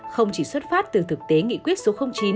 không chỉ xuất phát từ thực tế nghị quyết số chín